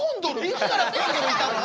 いつからコンドルいたの？